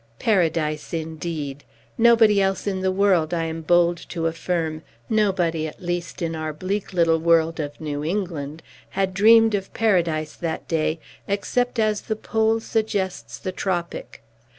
Paradise, indeed! Nobody else in the world, I am bold to affirm nobody, at least, in our bleak little world of New England, had dreamed of Paradise that day except as the pole suggests the tropic.